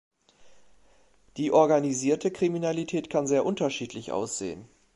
Die organisierte Kriminalität kann sehr unterschiedlich aussehen.